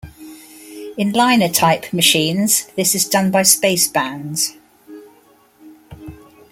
In linotype machines this is done by spacebands.